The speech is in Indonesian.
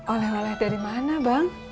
oleh oleh dari mana bang